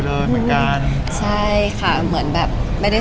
ก็เป็นอีกประสบการณ์หนึ่งสำหรับการชมภาพยนตร์ที่ระบบดีแล้วก็นอนสบายด้วยค่ะ